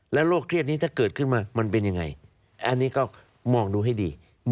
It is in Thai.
แล้วโรคเครียดนี้ถ้าเกิดขึ้นมามันจะเป็นยังไง